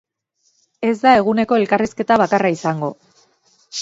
Ez da eguneko elkarrizketa bakarra izango.